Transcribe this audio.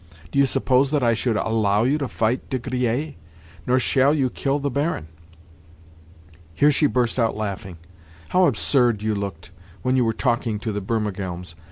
Do you suppose that I should allow you to fight De Griers? Nor shall you kill the Baron." Here she burst out laughing. "How absurd you looked when you were talking to the Burmergelms!